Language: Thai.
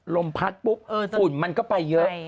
ลมพัดปุ๊บฝุ่นมันก็ไปเยอะ